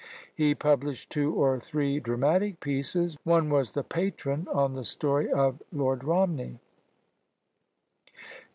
He published two or three dramatic pieces, one was the Patron, on the story of Lord Romney.